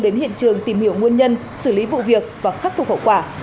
đến hiện trường tìm hiểu nguyên nhân xử lý vụ việc và khắc phục hậu quả